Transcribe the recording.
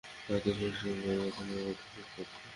হয়ত সে সিম্বার পথের নিরাপত্তা চেক করছে?